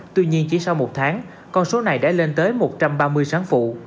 tuy nhiên chỉ sau một tháng con số này đã lên tới một trăm ba mươi sáng phụ